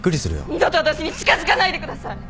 二度と私に近づかないでください！